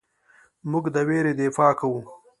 موږ د ویرې دفاع کوو.